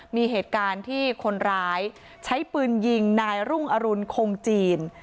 มีเหตุการณ์ที่คนร้ายใช้ปืนยิงนายรุ่งอรุณคงจีน